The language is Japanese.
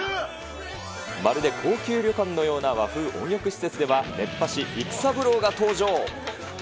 まるで高級旅館のような和風温浴施設では、熱波師、育三郎が登場。